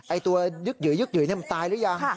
ไอ้ตัวยึกหยืยนี่มันตายหรือยัง